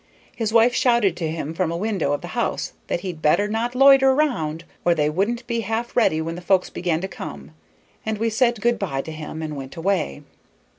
His wife shouted to him from a window of the house that he'd better not loiter round, or they wouldn't be half ready when the folks began to come, and we said good by to him and went away.